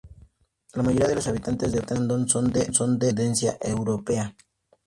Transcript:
La mayoría de los habitantes de Brandon son de ascendencia europea.